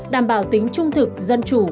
đảm bảo tính trung thực dân chủ